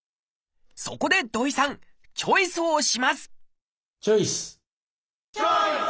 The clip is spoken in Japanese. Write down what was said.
そこで土井さんチョイスをしますチョイス！